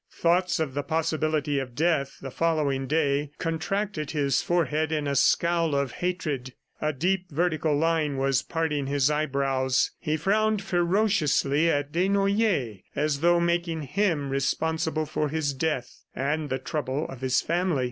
... Thoughts of the possibility of death the following day contracted his forehead in a scowl of hatred. A deep, vertical line was parting his eyebrows. He frowned ferociously at Desnoyers as though making him responsible for his death and the trouble of his family.